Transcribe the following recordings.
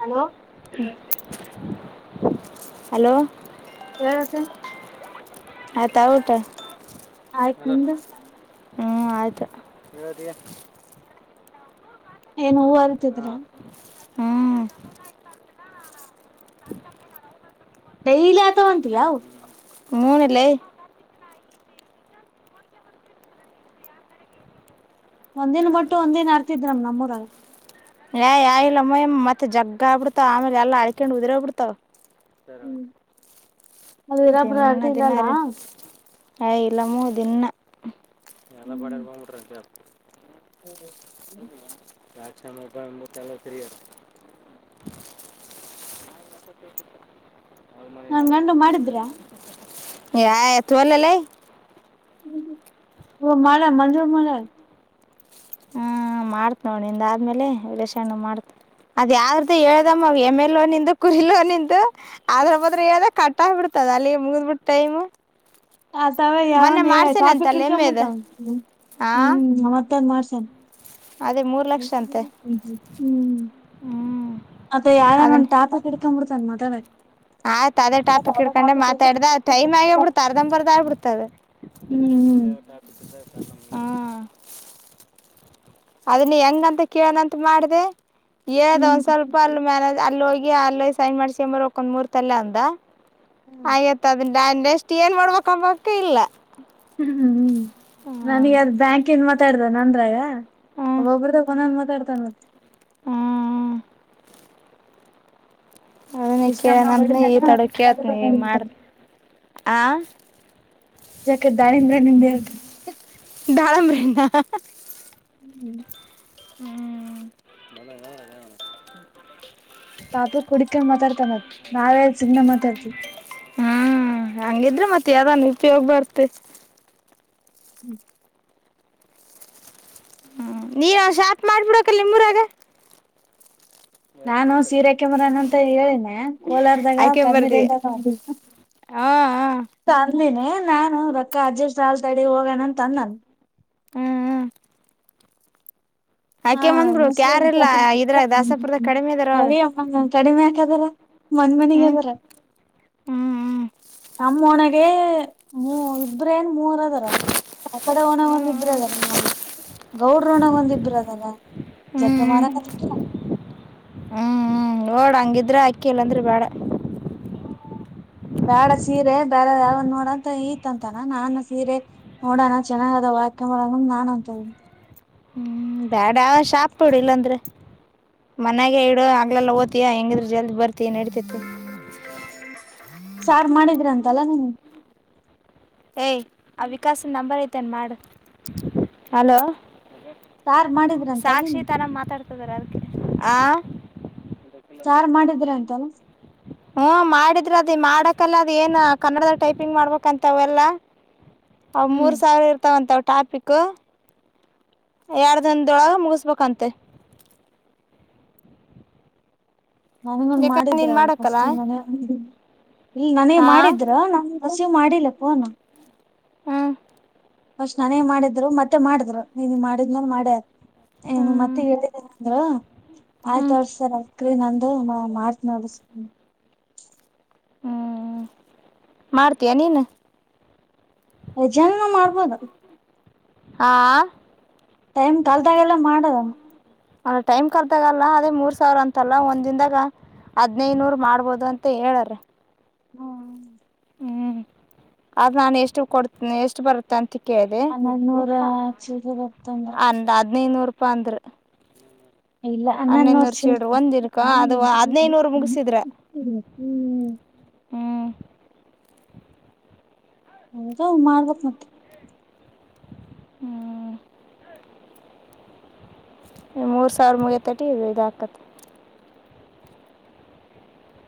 Hello hello ಹೇಳ ಅಪಿ ಹತ್ತ ಊಟ ಆಯ್ತ ನಿಮ್ದು ಹ್ಮ್ ಆಯ್ತು ಏನ್ ಹೂವು ಅರ್ತಿದ್ರ ಹ್ಮ್ ಡೈಲಿ ಆತ ಹಂತ ಅವು ಮೂನಲ್ಲ ಒಂದಿನನ್ ಬಟ್ಟು ಒಂದ ದಿನ ಅರ್ತಿದ್ ನ್ ನಮ್ಮೂರ ಏ ಯಾ ಇಲ್ಲಮ್ಮಯ ಮತ್ತೆ ಜಗ್ಗ ಬಿಡ್ತಾವ ಆಮೇಲೆ ಎಲ್ಲ ಅಡ್ಕೊಂಡ್ ಉದಿರೋಗ್ ಬಿಡ್ತಾವ ಹ್ಮ್ ಅದು ಇರಬ್ರ ಆರಟ ಇದ್ರಲ್ಲ ಹ್ ಇಲ್ಲಾಮೂ ದನ್ನ ಹ್ಮ ಹ್ಮ ರಾಜಕ್ಷಾಮ ಚಲ್ಲ ಸ್ರರಿರ್ [inaudible] ನಾ ಗಂಡುಗ ಮಾಡಿದ್ರ ಯ ಎತ್ತುವಲ್ಲಲ್ಲೇ ಹ [unintelligible] ಮಡಳ ಮಜೋ ಮಾಡಳ ಹ್ಮ ಮಾಡ್ತ್ ಆಳ್ ನಿಂದಾದ್ಮೇಲೆ ವಿರೇಶಣ್ಣುಗ ಮಾಡ್ತ್ ಅದ್ ಯಾವ್ದ ಹೇಳ್ದಮ್ಮ ಎಮೆ ಲೋನಿಂದು ಕುರೀ ಲೋನಿಂದು ಅದ್ರ ಬದ್ರೆ ಹೇಳ್ದ ಕಟ್ಟ ಆಗ್ಬಿಡ್ತದ ಅಲ್ಲಿ ಮುಗಿದ್ ಬಿಟ್ಟುತು ಟೈಮ್ ಆ ತಾವ ಯಾವಂದ ಟಾಪಿಕ್ ಮಾಡ್ಸೇನಂತಲ್ಲ ಇಳ್ಸೊಂಡ್ ಎಮ್ಮೆದು ಬಿಡ್ತಾವ ಹಾಂ ಹ್ಮ್ ಮತ್ತೊಂದ್ ಮಾಡ್ಸನ್ ಅದೇ ಮೂರು ಲಕ್ಷ ಅಂತೆ [inaudible] ಹ್ಮ ಹ್ಮ್ ಅತ್ತ ಅದನ್ [unintelligible] ಎಡುಕಾಬಡ್ತನ್ ಮಾತಾಡಕ್ ಆಯ್ತ ಅದೇ ಟಾಪಿಕ್ ಇಡ್ಕೊಂಡೆ ಮಾತಾಡ್ದ ಟೈಮ್ ಆಗಿಬಿಡ್ತ ಅರ್ಧಂಬರ್ದ ಆಗ್ಬಿಡ್ತದೆ [inaudible] ಹ್ಮ್ ಹ್ಮ್ ಹಾ ಅದನ್ನ ಹೆಂಗಂತ ಕೇಳನಂತ ಮಾಡಿದೆ ಹೇಳ್ದ ಹ್ಮ್ ಒಂದ್ ಸ್ವಲ್ಪ [unintelligible] ಅಲ್ಲಿ ಹೋಗಿ ಅಲ್ಲಿ ಸೈನ್ ಮಾಡ್ಸ್ಕ ಒರ್ಬೇಕು ಮೂರ್ ತಲೆ ಅಂದ ಹ್ಮ್ ಆಗೊಯ್ತ್ [unintelligible] ನಾನು ನೆಸ್ಟ್ ಏನ್ ಮಾಡಡ್ಬೇಕಕಾಂಬಕ ಇಲ್ಲ ಹ್ಮ್ ಹ್ಮ್ ಹ್ಮ್ ನನಗೆ ಅದ್ ಬ್ಯಾಂಕ್ ನ್ ಮತ್ತ ಮಾತಾಡ್ದ ನಾದ್ರಾಗ ಹ್ಮ್ ಒಬಬ್ರೆ ಒಂದು ಒಂದು ಮಾತಾಡ್ತಾನ ಹ್ಮ್ ಅದನ ಇಷ್ಟಂತ ಕೇನಂತ ನೀ ಈ ಹೊಡಿದಾಗ ತಡ ಕೇಳ್ತೀನಿ ಈಗ ನೀ ಮಾಡ್ತಿನಿ ಆ [inaudible] ಯಾಕೆ ದಾಳಿಬ್ರೇಣ್ಣು ಏಳ್ತಾ [unintelligible] [inaudible] ದಾಳಿಂಬ್ರೆನ್ನು [inaudible] ಹ್ಮ ತಾಪ ಕುಡಕೊಂಡ ಮಾತಾಡ್ತಾನ ನಾವೇ ಸುಮ್ನೆ ಮಾತಾಡ್ತಿವಿ. ಹ್ಮ್ ಹಂಗಿದ್ರೆ ಮತ್ತೆ ಯಾವ್ದನ್ ಉಪಯೋಗ ಬರ್ತ್ತೆ ಹ್ಮ್ [inaudible] ಹ್ಮ್ ನೀನ್ ಶಾರ್ಟ್ ಮಾಡ್ಬಿಡಕ ನಿಮ್ಮೂರಾಗ ನಾನು ಸೀರೆ ಅಕೆಮರನ ಅಂತ ಹೇಳಿನೆ ಕೋಲಾರದಾಗ ಆಕೆ ಕಮ್ಮಿ ಬರ್ತೀವಿ ರೇಟ್ ಅದ್ವ [unintelligible] ಹಾ ಹ ತಂದಿನಿ ನಾನು ರೊಕ್ಕ ಅಜೇಷ್ಟು ಆಗ್ಲಿ ತಡೆ ಹೋಗಣ ತಂದಾನ ಹ್ಮ್ ಹ್ಮ [unintelligible] ಹಾ ಆಕೆ [unintelligible] ಬಂದ್ಬಿಡು ಯಾರಿಲ್ಲ ಇದ್ರಾಗ ದಾಸಪುರದಾಗ ಕಡಿಮೆ ಇದಾರ ಅವಳು ಹ್ಮ ಕಡಿಮೆ ಹಾಕ್ದಾರ ಮನ್ ಮನೆಗೆ ಅದಾರ ಹ್ಮ್ ಹ್ಮ್ ನಮ್ಮ ಒಣಗ ಮೂ ಇಬ್ರೇನ್ ಮೂರು [unintelligible] ಆ ಕಡೆ ಒಣಗ ಒಂದ ಹ್ಮ್ ಇಬ್ರೆ ಅದಾರ ಗೌಡ್ರ ಒಣಗ ಒಂದಿಬ್ಬರು ಅದರ ಜಗ್ಗ ಮಾರ ಕಥಾಬಿಟ್ರಾ ಹ್ಮ್ ಹ್ಮ್ ಓಡ ಹಂಗಿದ್ರ ಅಕ್ಕಿ ಇಲ್ಲಂದ್ರಿ ಬೇಡ ಬೇಡ ಸೀರೆ ಬೇರೆದು ಯಾವ್ದನ್ ನೋಡಂತ ತಂತನ ನಾನ ಸೀರೆ ನೋಡಣ ಚೆನ್ನಾಗ ಅದವ ಅಕ್ಯೋದು ಬರನ ಅಂತ ನಾನ್ ಅಂತ ಇದ್ದನಿ ಹ್ಮ ಬ್ಯಾಡ ಶಾಪ್ ಇಡು ಇಲ್ಲಾಂದ್ರೆ ಮನೇಗ ಇಡು ಆಗ್ಲೆಲ್ಲಾ ಓತಿಯ ಹೆಂಗಿದ್ರರು ಜಲ್ದಿ ಬರ್ತ ಯಂಗಾದ್ರು ನಡ್ತಿತಿ ಸಾರ್ ಮಾಡಿದ್ರಿ ಅಂತಲ್ಲಾ ನೀನ್ಗೆ ಏಯ್ ಆ ವಿಕಾಸನ ನಂಬರ್ ಐತೆೇನೆ ಮಾಡು ಹಲೋ ಸಾರ್ ಮಾಡಿದ್ರ [inaudible] ಅಂತಲ್ಲ ಸಾಕ್ಷಿ ನೀನ್ ತರ ಮಾತಾಡ್ತದಾರ ಅದಕ್ಕೆ ಆ ಸರ್ ಮಾಡಿದ್ರೆ ಅಂತಲ್ಲ ಹ್ಮ ಮಾಡಿದ್ರ ಅದ್ ಮಾಡಕಲ್ಲ ಅದ್ ಏನ್ ಕನ್ನಡದದಲ್ಲಿ ಟೈಪಿಂಗ್ ಮಾಡ್ಬೇಕಂತವ ಎಲ್ಲಾ ಅವ ಹ್ಮ್ ಮೂರ್ ಸಾವಿರ ಇರ್ತಾವಂತ ಅವ ಟಾಪಿಕ್ ಎರಡ್ ದಿನದೊಳಗ ಮುಗಿಸ್ಬೇಕಂತೆ ನನ್ಂಗೊ್ ಯಾಕಂದ್ರೆ ಮಾಡಿದ್ರ ನೀನು ಅ ಮಾಡಕ್ಕಲ್ಲ ಫಸ್ಟ್ ನನ ಇಲ್ಲ ನನಗೆ ಹಾಂ ಮಾಡಿದ್ರ ನನ್ ರಸೀವ್ ಮಾಡಿಲ್ಲ ಫೋನ ಹ್ಞೂ ಅಸ್್ ನನೇ ಮಾಡಿದ್ರು ಮತ್ತೆ ಮಾಡಿದ್ರು ನೀನ್ ಮಾಡಿದ್ನ ಮಾಡ ಏನು ಹ್ಞೂ ಮತ್ತೆ ಹೇಳಿದ್ದೇನೆ ಅಂದ್ರು ಆಯ್ ಹ್ಞೂ ತೋರ್ಸ್ತಾರಲ್ ್ರೀ ನಂದು ಮಾತ್ ನೋಡಸ್ ಹ್ಮ್ ಮಾಡ್ತೀಯಾ ನೀನು ಜಾನ ಮಾಡ್ಬೋದುೀ ಹಾ ಟೈಮ್ ಕಲ್ದಾಗೆಲ್ಲ ಮಾಡದ ಅಲ್ಲ ಟೈಮ್ ಕಲ್ದಾಗಲ್ಲ ಅದೇ ಮೂರ್ ಸಾವಿರ ಅಂತಲ್ಲ ಒಂದ್ನ್ದಾಗ ಹದ್ನೈನೂರ್ ಮಾಡ್ಬೋದು ಅಂತ ಹೇಳಾರ ಹ್ಮ್ ಹ್ಮ್ ಅದು ನಾನು ಎಷ್ಟು ಕೊಡ್ತೀನ ಎಷ್ಟು ಬರು ತಂತ ಕೇಳಿದೆ ಹನ್ನೊಂದನೂರ ಅ ಚಿಲ್ರೆ ಬತ್ತಂದ್ರ ಹದ್ಿನೈನೂರು ರೂಪಾಯಿ ಅಂದ್ರ ಇಲ್ಲ ಅ್ಣನ್ನ ಚಿಲ್ಲರೆ ಒಂದು ಹ್ಮ ದಿನಕ್ಕೆ ಅದು ಹದಿನೈದು ನೂರು ಮುಗಿಸಿದ್ರೆ ಹ್ಞೂ ಒು ಮಾಡ್ಬೇಕಕ್ ಮತ್ತೆ ಹ್ಮ್ ನೀ ಮೂರ್ ಸಾವಿರ ಮುಗ ತಟಿ ಇದು ಇದಾಕತ್ತೆ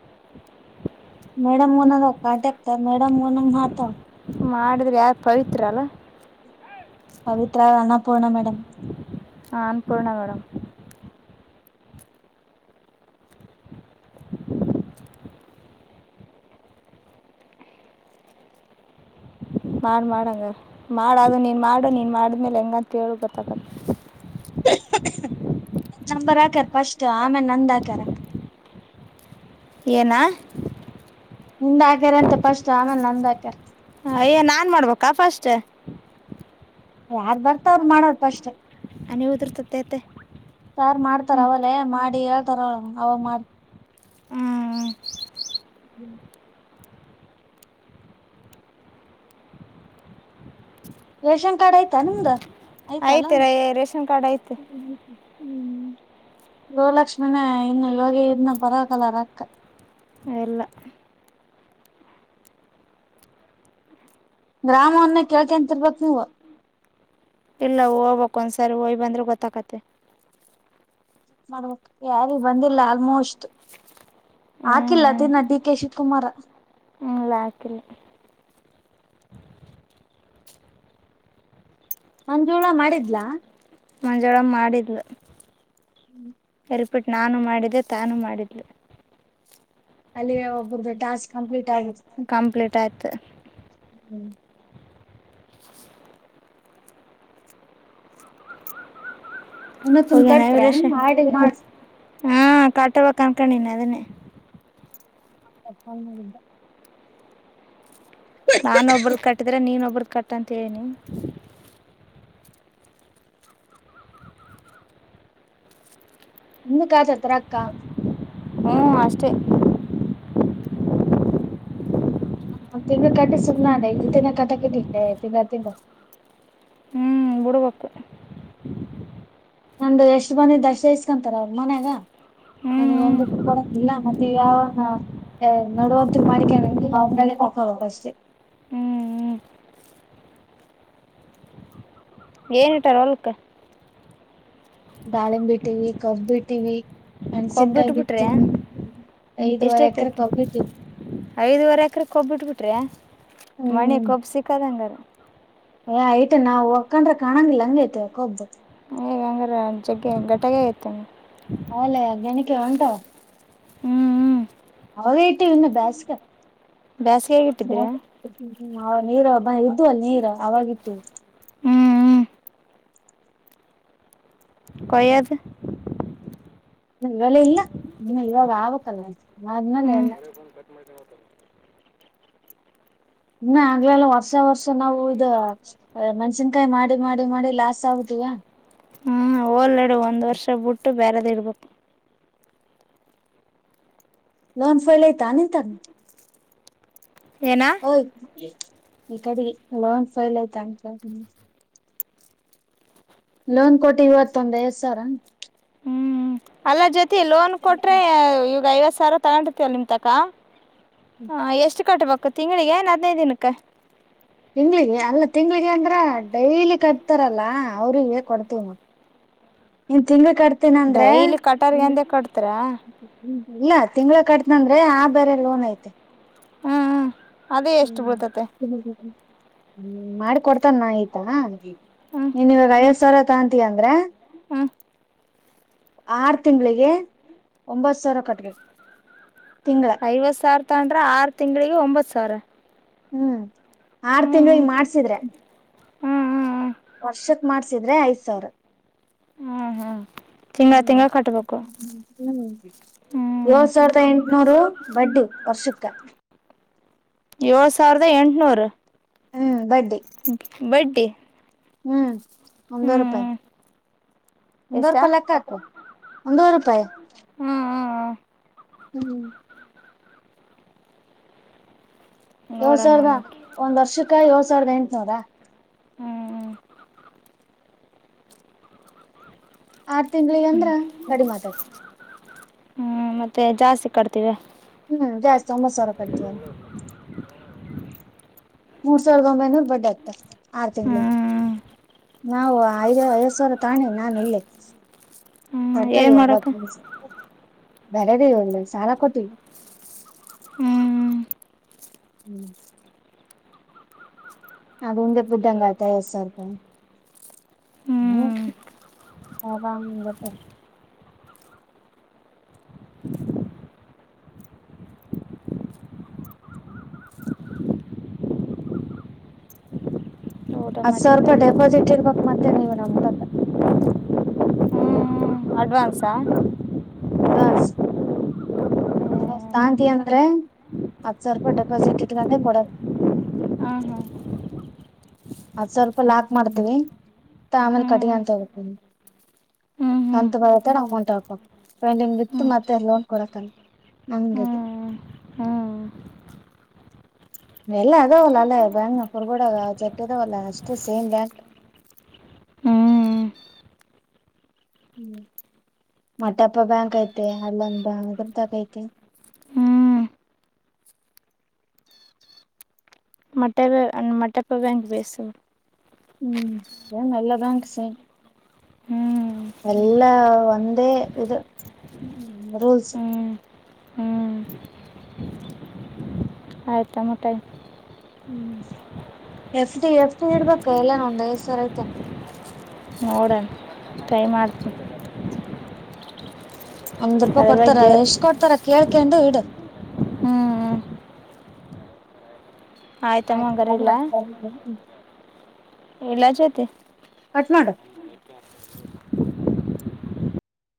[inaudible] ಮೇಡಮ್ ನಂಗ ಕಾಟಿ ಆಕ್ತ ಮೇಡಮ್ ನಂಗ್ ಮಾತ ಮಾಡಿದ್ರೆ ಯಾರ ಪವಿತ್ರ ಅಲ್ಲ ಪವಿತ್ರ ಅ್ಣ ಪರ್ಣ ಮೇಡ್ ಹಾ ಅನ್ಪೂರ್ಣ ಮೇಡಮ್ ಮಾಡಿ ಮಾಡಂಗ ಮಾಡ ಅದು ನೀನು ಮಾಡು ನೀನು ಮಾಡಿದ್ಮೇಲೆ ಹೆಂಗ ಅಂತೇಳಿ ಗೊತ್ತಕತ್ತ ನಂಬರ್ ಹಾಕ್ಯಾರ ಫಸ್ಟ್ ಆಮೇಲೆ ನಂದ ಹಾಕ್ಯಾರ ಏನಾ ನಿಂದ್ ಹಾಕ್ಯಾರ ಅಂತ ಪಫಸ್ಟ್ ಆಮೇಲೆ ನಂದ ಹಾಕ್ಯಾರ್ ಯ್ಯ ನಾನ್ ಮಾಡ್ಬೇಕಾ ಫಸ್ಟ್ ಯಾರ್ ಬರ್ತಾವ ಅವ್ರು ಮಾಡೋದ ಪಫಸ್ಟ್ ಅನವುದ್ರತತೆತೆ ಯಾರ್ು ಮಾಡ್ತಾರ ಅವಲ್ಲೇ ಮಾಡಿ ಹೇಳ್ತಾರ ಅವ ಅವಾಗ್ ಹ್ಮ್ ಹ್ಮ್ ರೇಷನ್ ಕಾರ್ಡ್ ಆಯ್ತಾ ನಿಮ್ದ ಐತಲ್ಲ ಐ್ತ ರ ರೇಷನ್ ಕಾರ್ಡ್ ಐ್ತೆ ಹ್ಮ್ ಗೋಲಕ್ಷ್ಮನ ಇನ್ನು ಯೋಗಿ ಇದನ್ನ ಪರವಾಗಿ ಕಲ್ಲ ರಕ್ಕ ಎಲ್ಲ ಗ್ರಾಮವನ್ನ ಕೇಳ್ಕಂತಿರ್ಬೇಕಕ್ ನೀವು ಇಲ್ಲ ಹೋಗ್ಬೇಕಕ್ ಒಂದ್ಸರಿ ಹೋಯ್ ಬಂದ್ರೆ ಗೊತ್ತಾಕತ್ತೆ ಮಾಡ್ಬೇಕು ಯಾರಿಗೆ ಬಂದಿಲ್ಲ ಆಲ್ಮೋಸ್ಟ್ ಹ್ಞೂ ಹಾಕಿಲ್ಲ ತಿನ್ನ ಡಿ ಕೆ ಶಿವಕುಮಾರ ಹ್ಮಲ್ಲಾಕಿಲ್ಲ ಒಂದಜೋಳ ಮಾಡಿದ್ಲಾ ಮಂಜವಾಳ ಮಾಡಿದ್ಲು ಹ್ಮ್ ರಿಪೀಟ್ ನಾನು ಮಾಡಿದ್ದೆ ತಾನು ಮಾಡಿದ್ಲು ಅಲ್ಲಿ ಒಬ್ರ್ದ ಟಾಸ್ಕ್ ಕಂಪ್ಲೀಟ್ ಆಗ ಕಂಪ್ಲೀಟ್ ಆಯ್ತು ಹ್ಮಞ ಇನ್ನೊತ್ತನ್ ಹೋಗನ ಕಟ್ಟ್ರ ರಷ ಮಾಡಿ ಹಾ ಕಟಬೇಕ ಅನ್ಕೊಂಡಿನಿ ಅದನ್ನೇ ಫಾನ್ ಮಾಡಿದ್ದ [inaudible] ನಾನ ಒಬ್ಬ್ರ ಕಟ್ಟಿದ್ರೆ ನೀನ್ ಒಬ್ಬ್ರಗ್ ಕಟ್ಟಂತ ಹೇಳನಿ ನಿಮ ಕಾತಾರ್ತಾರೆ ಅಕ್ಕಾ ಹ್ಮ್ ಅಷ್ಟೇ ಹ ತಿಿ ಕಟ್ಟಿ ಸುಮ್ಮ್ ಅತ ಕತಾಕೆ ತಿ ತಿ [unintelligible] ಹ್ಞೂ ಬುಡುಬಪ್ಪು ನಂದು್ದು ಎಷ್ಟು ಬಂದಿ ದರ್ಶೈಸ್ಕೊಂತಾರ ಅವ್ರ ಮನ್ಯಾಗ ಹ್ಞೂ ನನಗೆ ಒಂದಕ್ಕೂ ಹ್ಞೂ ಕೊಡಿಲ್ಲ ಮತ್ತ ಯಾವ ನಡೋದ್ರು ಮಾಡ್ಿಕ ಅವ್ೆ ಪಕ ಹೋಗ ಅಷ್ಟೆ ಹ್ಞೂ ಹ್ಞೂ ಏನ್ ಇಟಾರ ಹೊಲ್ಕ್ ದಾಳಿಂಬಿ ಇಟ್ಟಿವವಿ ಕಬ್ ಬಿಟ್ಟಿವ ಕಬ್ಬು ಅಣ್ಸನ್ಕಾಯಿ ಬಿಟ್ಬಿಟ್ರೆ ಬಿತ ಐದುವರೆ ಎಕರೆ ಕ ಒೋಗಬಟ್ಟವಿ ಐದುವರೆ ಎಕರೆ ಕೊಬ್ಬು ಬಿಟ್ಬಿಟ್ರಿ ಮಣಿ ಹ್ಮ್ ಕೊಬ್ಬು ಸಿಕ್ಕದ ಹಂಗಾರ ಏ ಐತೆ ನಾವವು ಹಕೊಂಡ್ರ ಕಂಗಿಲ್ಲ ಹಂಗ ೈತೆಕ ಹಬ್ಬು ಂಗ್ರೆ ಜಗ್ಗೆ ಘಟಾಗ ಇಐತ್ತು [unintelligible] ಹಲೇ ಅ್ಗೆಣಕ್ಕೆ ಉಂಟ ಹ್ಮ್್ಮ ಅವಗೇಟ್ಟಿ ಇನ್ನ ಬ್ಯಾಸ್ಕರ್ ಬೇಸ್ಿಗೆಯಗ ಇಟ್ಟಿದ್ರರಾ ್ಮ ನೀರು ಬ ಇದ್ದು ಅಲ್ಲ ನೀರ್ ಅವಾಗಿತ್ತು ಹ್ಮ್ ಹ್ಮ್ ಕ್ಯಯದು ಇವೆಲ್ಲ ಇಲ್ಲ ಇನ್ನ ಇವಾಗ ಆಕ್ಲ್ಲ ಆದ್ಮೇಲೆ ಎಲ್ಲ ಬತ್ ಮಾಡತ [inaudible] ಇ ಆಗ್ಲೆಲ್ಲ ವರ್ಷ ವರ್ಷ ನಾವು ಇದ ಮಣ್ಸಿನ್ಕಾಯಿ ಮಾಡಿ ಮಾಡಿ ಮಾಡಿ ಲಾಸ್ ಆಗುದಿವಾ ಹೋಲ್ಡು ಒಂದ್ ವರ್ಷ ಬಿಟ್ಟು ಬೇಾರದ ಇಡ್ಬೇಕು ಲೋನ್ ಫೈಲ್ ಯಐತಾ ನಿಂತ ಏನ ಹ ಇಕಡೆ ಲೋನ್ ಸಫೈಲಯತ ಆಮಚ ಲೋನ್ ಕೊಟ್ಟಿ ಇವತ್ತೊಂದ ಐದ್ ಸಾವಿರ ಹ್ಮ್ ಅಲ್ಲ ಜೊತಿ ಲೋನ್ ಕೊಟ್ರೆ ಈವಗ ಐವತ್ ಸಾವಿರ ತಗೊಂಡಿರ್ತಿವ ನಿಮ ತಕ ಹಾ ಎಷ್ಟು ಕಟ್ಬೇಕು ತಿಂಗಳಿಗೆನ್ ಹದ್ನೈದು ದಿನಕ್ಕೆ ತಿಂಗಳಿಗೆ ಅಲ್ಲ ತಿಂಗ್ಳಿಗೆ ಅಂದ್ರ ಡೈಲಿ ಕಟ್ತಾರಲ್ಲ ಅವ್ರಿಗೆ ಕೊಡ್ತೀವ್ ಮ ಇನ್ ತಿಂಗಳು ಕಾ ಡೈಲಿ ಕಟರ್ಗೆಂದೆ ಕಟ್ತರಾ ್ಮ ಇಲ್ಲ ತಿಂಗಗಳ ಕಟ್ನಂದ್ರೆ ಆ ಬೇರೆ ಲೋನ್ ಐತೆ ಹ್ಮ್ ಅದೇ ಎಷ್ಟು ಬೂತತೆ ಹ್ಮ ಮಾಡಿಕೊಡ್ತಾನ ಆಯ್ತಾ ಹ್ಮ್ ನೀನ್ವಾಗಯ ಸರತಾಂತಿ ಅಂದ್ರೆ ಹ್ಮ್ ಆರು ತಿಂಗಳಿಗೆ ಒಂಬತ್ ಸಾವಿರ ಕಟ್ಗೆ ತಿಂಗಳ ಐವತ್ ಸಾವಿರ ತಂಡ್ರೆ ಆರು ತಿಂ್ಗಳಿಗೆ ಒಂಬತ್ತು ಸಾವಿರ ಹ್ಮ್ ಆರ್ ತಿಂಗಳು ಹ್ಮ್ ಈ ಮಾಡ್ಸಿದ್ರೆ ಹ್ಮ್ ಹ್ಮ್ ವರ್ಷಕ್ ಮಾಡ್ಸಿದ್ರೆ ಐದ್ ಸಾವಿರ ಹಾಞ ಹಾಂ ತಿಂಗಳ ತಿಂಗಳ ಕಟ್ಟಬೇಕು ಹ್ಮ್ ಏಳ್ ಸಾವಿರದ ಎಂಟನೂರು ಬಡ್ಡಿ ವರ್ಷಕ್ಕ ಏಳ್ ಸಾವಿರದ ಎಂಟನೂರು ಹ್ಮ್ ಬಡ್ಡಿ ಬಡ್ಡೆ ಹ್ಮ್ ಒಂದ ರೂಪಾಯಿ ಒಂದೂ ಎಷ್ಟಾ ರೂಪಾಯಿ ಲೆಕ್ಕಾಕ ಒಂದೂ ರೂಪಾಯಿ ಹ್ಮಞ ಹ್ಮಞ ಹಾ ಹ್ಮ್ ಹ್ಮ ಹ್ಮ್ ಏಳ್ ನೋಡೋಣ ಸಾವಿರದ ನನಕ್ಕೆ ಒಂದ್ ವರ್ಷಕ್ಕ ಏಳಡ್ ಸಾವಿರದ ಎಂಟನೂರ ಹ್ಮ್್ಮ ಆರ್ ತಿಂಗ್ಳಿಗೆ ಅಂದ್ರ ಗಡಿ ಮಾತತ್ ಹ್ಞೂ ಮತ್ತೆ ಜಾಸ್ತಿ ಕಡ್ತೀವಿ ಹ್ಮ್ ಜಾಸ್ ಸಮಮ್ಮ ಸರಕವ ಮೂರ್ ಸಾವಿರ್ದ ಒಂಬೈನೂರ್ ಬಡ್ ಆತ ಆರ್ ತಿಂಗಳಿಗೆ ಹ್ಮ್ ನಾವು ಐದ ಐದ್ ಸಾವಿರ ತಾಣಿ ನಾನು ಇಲ್ಲಿ ಹ್ಮ್ ಮಾಡರ್ತರಿ ಏನ್ ಒಂಬತ್ ಮಾಡಕ ನಿಮಷ ಬೆಳ ರ ಒಂದು ಸಾಲ ಕೊಟ್ಟವಿ ಹ್ಮ್ ಹ್ಮ್ ಅದು ಉಂದೇ ಬುದ್ದಂಗಯತ ಐವತ್ತು ಸಾವಿ ರೂಪಾಯಿ ಹ್ಮ ಹ್ಮ್ ಹವಾಾಮಂಗತ್ತ ಊಟ ಹತ್ ಸಾವಿರ ರೂಪಾಯಿ ಮಾಡ್ಕೊಂಡದಿ ಡೆಪಾಸಿಟ್ ಇರ್ಬೇಕಕ್ ಮತ್ತೆ ನೀವು ನಮ್ತ ಅಡ್ವಾನ್ಸಾ ಹ ಶಾಂತಿ ಅಂದ್ರೆ ಹತ್ತು ಸಾವಿರ ರೂಪಾಯಿ ಡೆಪಾಸಿಟ್ ಇಟ್ಕ ಕೊಡ ಹಾ ಹಾ ಹತ್್ ಸಾವಿರ ರೂಪಾಯ ಲಾಕ್ ಮಾಡತೀವಿತ್ತ ಆಮೇಲೆ ಕಟಿ ಹ್ಮ್ ಅಂತ ಹೋಗತಿ ಹ್ಮ್ ಕಣಂತ ಮದತಡ ಅಮೌಂಟ್ ಆ ಪಂಡಿಂಗ್ ವಿತ್ ಹ್ಮ್ ಹ್ಮ್ ಮತ್ತೆ ಲೋನ್ ಕಡ ತಮ್ಮಿ ನಂಗದು ಹ್ಮ್ ಹ್ಮ್ ಎಲ್ಲ ಅದವಲ್ಲ ಅಲ್ಲ ಬ್ಯಾ ಹೊರ್ಗಡ ಜಟ್ಟಿ ಅದವಲ್ಲ ಅಷ್ಟೇ ಸೇಮ್ ಬ್ಯಾಂಕ್ ಹ್ಮ್ ಹ್ಮ್ ಮಟಪ್ಪ ಬ್ಯಾಂಕ್ ಐತೆ ಅಲ್ಲಂಗ ಬ ಅ ತಕ ಐತೆ ಹ್ಮ್ ಮೊಟೆ ಮೊೆ ಪವೆಂಗೆ ಬೇಸ ಹ್ಮ್ ನಲ್ಲದಾಕ ಸ ಹ್ಮ್ ಎಲ್ಲಾ ಒಂದೇ ಇದು ರೂಲ್ಸ್ ಹ್ಮ್ ಹ್ಮ್ ಆಯತ ಮೋಟ ಹ್ಮ್ ಎಫ ಎಫ್್ಟ ಇಡ್ಬೇಕ ಎಲ್ಲ ನೊಂದು್ ಐದ್ ಸರ ಆಐ್ತಾನ ನೋಡೋಣ ಟ್ರೈ ಮಾಡ್ತೀನಿ ಒಂದ್ ರೂಪಾಯಿ ಅದ್ರ ಕೊಡ್ತಾರ ಬಗ್ಗೆ ಎಷ್ಟ್ ಕೊಡ್ತಾರ ಕೇಳ್ಕೊಂಡಂಡು ಇಡು ಹ್ಮ್ ಆಯ್ತಮ್ಮ ಆಯ್ತ ಹಂಗಾರೆ ಹ ಮಾಡ್ [unintelligible] ಎಲ್ಲ ಜೊತೆ ಕಟ್ ಮಾಡು